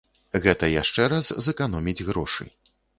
Гэта яшчэ раз зэканоміць грошы.